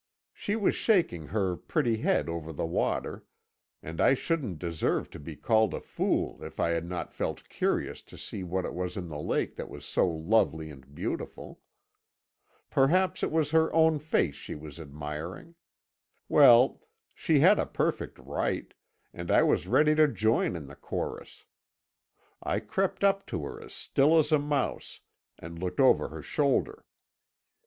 She was shaking her pretty head over the water, and I shouldn't deserve to be called a fool if I had not felt curious to see what it was in the lake that was so lovely and beautiful. Perhaps it was her own face she was admiring. Well, she had a perfect right, and I was ready to join in the chorus. I crept up to her as still as a mouse, and looked over her shoulder.